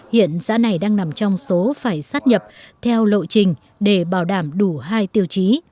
hiện xã này đang nằm trong số phải sát nhập theo lộ trình để bảo đảm đủ hai tiêu chí